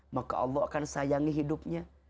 maka allah akan sayangi hidupnya